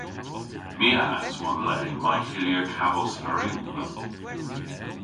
My a aswon le may hyllir kavos ferylva.